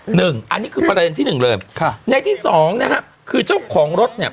หนึ่งอันนี้คือประเด็นที่หนึ่งเลยค่ะในที่สองนะฮะคือเจ้าของรถเนี่ย